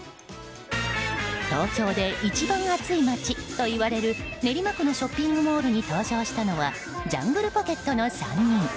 東京で一番暑い街といわれる練馬区のショッピングモールに登場したのはジャングルポケットの３人。